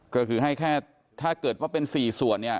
ก็คือให้แค่ถ้าเกิดว่าเป็น๔ส่วนเนี่ย